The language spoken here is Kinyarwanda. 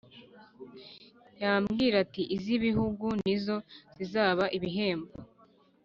yambwira ati Iz ibihuga ni zo zizaba ibihembo